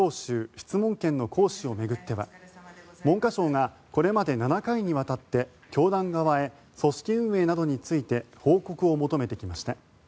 ・質問権の行使を巡っては文科省がこれまで７回にわたって教団側へ組織運営などについて報告を求めてきました。